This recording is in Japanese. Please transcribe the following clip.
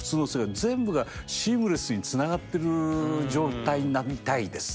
全部がシームレスにつながってる状態になりたいですね。